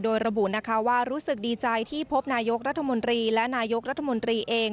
โดยระบุนะคะว่ารู้สึกดีใจที่พบนายกรัฐมนตรีและนายกรัฐมนตรีเอง